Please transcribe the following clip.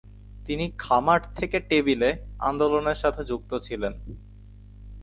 তিনি 'খামার থেকে টেবিলে' আন্দোলনের সাথে যুক্ত ছিলেন।